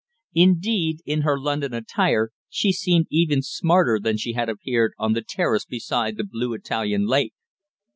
Indeed, in her London attire she seemed even smarter than she had appeared on the terrace beside the blue Italian lake.